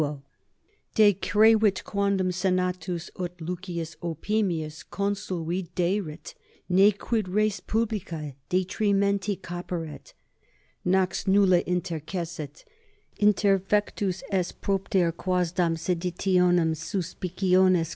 = Decrevit quondam senatus, ut L. Opimius consul videret, ne 4 quid res publica detrimenti caperet: nox nulla intercessit; interfectus est propter quasdam seditionum suspiciones C.